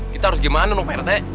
kita harus gimana dong pak rt